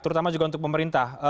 terutama juga untuk pemerintah